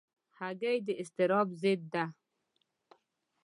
هګۍ د اضطراب ضد ده.